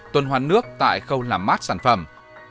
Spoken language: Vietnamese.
tuần hoàn nước tại khâu làm mát sản phẩm